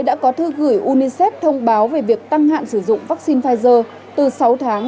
đã có thư gửi unicef thông báo về việc tăng hạn sử dụng vaccine pfizer từ sáu tháng